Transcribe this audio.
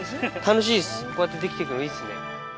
・楽しいですこうやってできてくのいいですね。